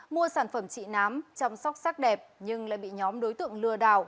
mua sản phẩm trị nám chăm sóc sắc đẹp nhưng lại bị nhóm đối tượng lừa đảo